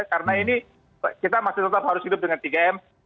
karena ini kita masih tetap harus hidup dengan tiga m